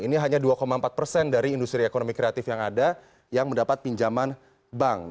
ini hanya dua empat persen dari industri ekonomi kreatif yang ada yang mendapat pinjaman bank